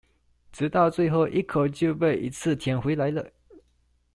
直到最後一口就被一次甜回來了